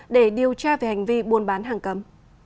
để điều tra về hành vi buôn bán hàng cấm